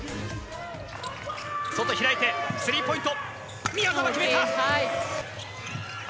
外開いてスリーポイント。